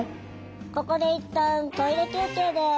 ここでいったんトイレ休憩です。